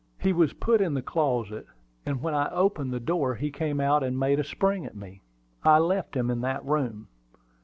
"He was put in the closet; and when I opened the door he came out and made a spring at me. I left him in that room."